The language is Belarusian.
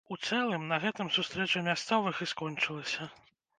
У цэлым на гэтым сустрэча мясцовых і скончылася.